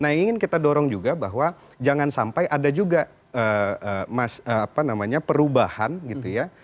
ini ingin kita dorong juga bahwa jangan sampai ada juga mas apa namanya perubahan gitu ya